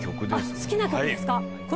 好きな曲ですか。